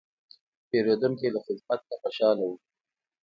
پیرودونکی له خدمت نه خوشاله و.